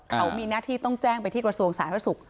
เขามีหน้าที่ต้องแจ้งไปที่กระทรวงสาธารณสุข